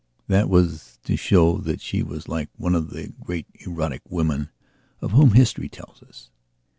That was to show that she was like one of the great erotic women of whom history tells us.